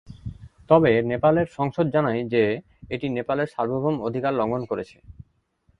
তবে নেপালের সংসদ জানায় যে এটি নেপালের সার্বভৌম অধিকার লঙ্ঘন করেছে।